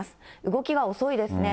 動きが遅いですね。